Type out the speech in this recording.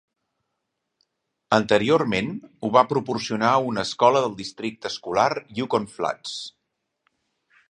Anteriorment ho va proporcionar una escola del districte escolar Yukon Flats.